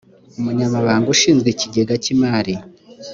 umunyamabanga ushinzwe ikigega cy imari